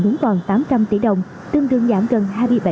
đúng còn tám trăm linh tỷ đồng tương tương giảm gần hai mươi bảy